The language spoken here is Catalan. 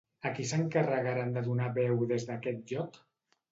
A qui s'encarregaren de donar veu des d'aquest lloc?